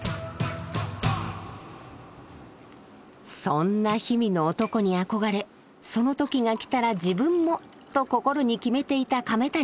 そんな氷見の男に憧れその時がきたら自分もと心に決めていた亀谷さん。